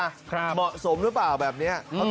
เหมาะสมหรือเปล่าแบบนี้